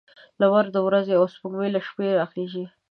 لمر د ورځې او سپوږمۍ له شپې راخيژي